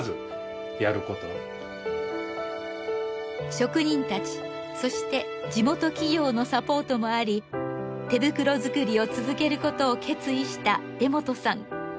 職人たちそして地元企業のサポートもあり手袋づくりを続けることを決意した江本さん。